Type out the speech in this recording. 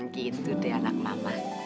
gitu di anak mama